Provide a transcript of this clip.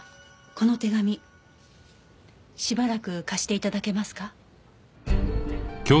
この手紙しばらく貸して頂けますか？